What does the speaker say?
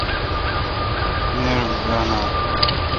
نیر با نال۔